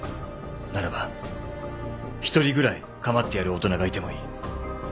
ならば一人ぐらい構ってやる大人がいてもいい。